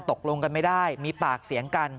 ตกลงกันไม่ได้มีปากเสียงกัน